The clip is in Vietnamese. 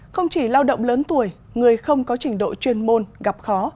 không chỉ lao động lớn tuổi người không có trình độ chuyên môn gặp khó